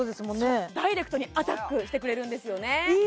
そうダイレクトにアタックしてくれるんですよね